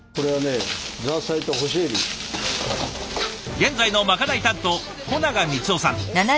現在のまかない担当保永光男さん。